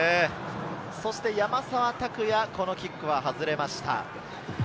山沢拓也、このキックは外れました。